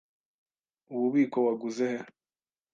Ububiko waguze he?